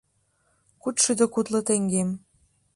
— Кудшӱдӧ кудло теҥгем.